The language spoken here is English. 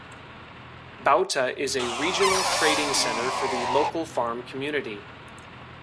Bauta is a regional trading center for the local farm community.